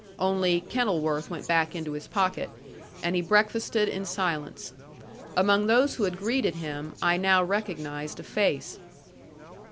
Only, Kenilworth went back into his pocket, and he breakfasted in silence. Among those who had greeted him I now recognized a face.